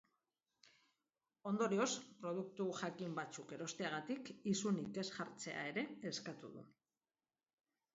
Ondorioz, produktu jakin batzuk erosteagatik isunik ez jartzea ere eskatu du.